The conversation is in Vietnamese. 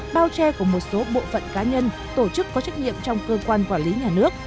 bao che của một số bộ phận cá nhân tổ chức có trách nhiệm trong cơ quan quản lý nhà nước